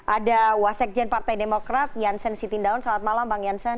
ada wasikjen partai demokrat janssen sitindaun selamat malam bang janssen